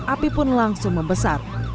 api pun langsung membesar